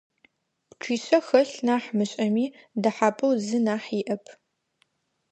Пчъишъэ хэлъ нахь мышӀэми, дэхьапӀэу зы нахь иӀэп.